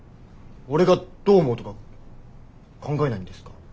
俺がどう思うとか考えないんですか？